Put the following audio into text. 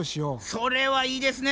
それはいいですね。